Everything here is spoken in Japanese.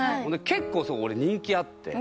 結構俺人気あって。